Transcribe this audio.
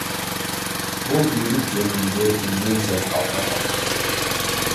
Бул бийлик жөнүндө иллюзия калбай калды.